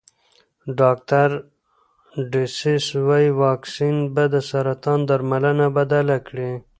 ډاکټر ډسیس وايي واکسین به د سرطان درملنه بدله کړي.